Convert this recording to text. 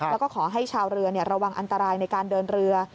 แล้วก็ขอให้ชาวเรือระวังอันตรายในการเดินเรือ